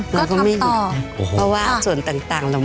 เพราะว่าส่วนต่าง